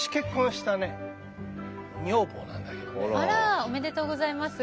これはねあらおめでとうございます。